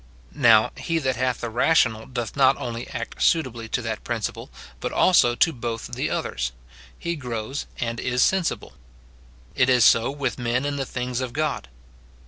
Now, he that hath the rational doth not only act suitably to that principle, but also to both the others, * John xvi. 8. SIN IN BELIEVERS. 283 — he grows and is sensible. It is so with men in tho things of God.